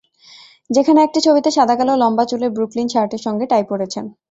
যেখানে একটি ছবিতে সাদা-কালো লম্বা চুলের ব্রুকলিন শার্টের সঙ্গে টাই পরেছেন।